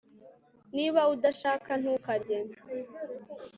Niba udashaka ntukarye